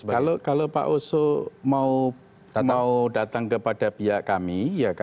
kalau pak oso mau datang kepada pihak kami